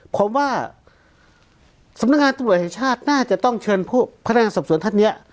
ความว่าสำนักงานตรวจชาติน่าจะต้องเชิญผู้พัฒนาศัพท์สวนท่านเนี้ย